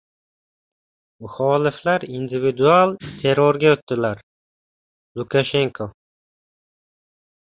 Muxoliflar "individual" terrorga o‘tdilar — Lukashenko